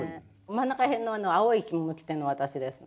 真ん中辺の青い着物を着てるのが私です。